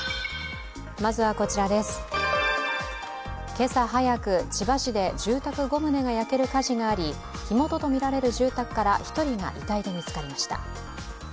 今朝早く、千葉市で住宅５棟が焼ける火事があり、火元とみられる住宅から１人が遺体で見つかりました。